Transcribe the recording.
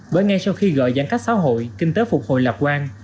bởi ngay sau khi gọi giãn cách xã hội kinh tế phục hồi lạc quan